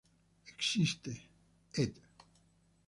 Existe ed.